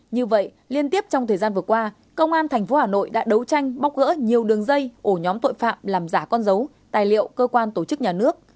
như vậy liên tiếp trong thời gian vừa qua công an tp hà nội đã đấu tranh bóc gỡ nhiều đường dây ổ nhóm tội phạm làm giả con dấu tài liệu cơ quan tổ chức nhà nước